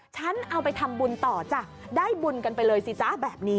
ฉันเอาไปทำบุญต่อจ้ะได้บุญกันไปเลยสิจ๊ะแบบนี้